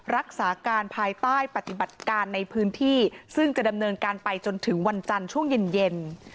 รักษาการภายใต้ปฏิบัติการในพื้นที่ซึ่งจะดำเนินการไปจนถึงวันจันทร์ช่วงเย็น